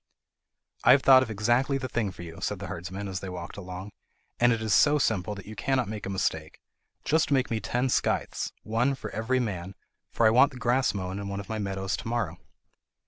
"I have thought of exactly the thing for you," said the herdsman as they walked along, "and it is so simple that you cannot make a mistake. Just make me ten scythes, one for every man, for I want the grass mown in one of my meadows to morrow."